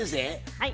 はい。